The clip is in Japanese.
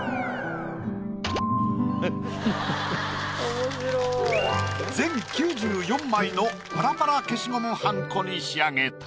面白い。のパラパラ消しゴムはんこに仕上げた。